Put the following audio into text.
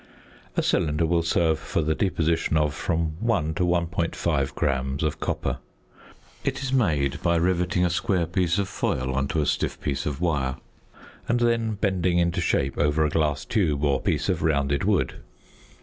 A cylinder will serve for the deposition of from 1 to 1.5 gram of copper. It is made by rivetting a square piece of foil on to a stiff piece of wire, and then bending into shape over a glass tube or piece of rounded wood.